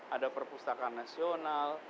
ada perpustakaan nasional